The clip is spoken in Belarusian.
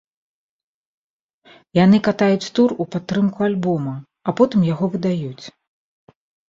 Яны катаюць тур у падтрымку альбома, а потым яго выдаюць.